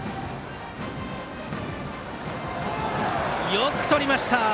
よくとりました！